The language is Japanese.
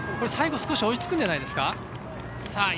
最後、少し追いつくんじゃないですか。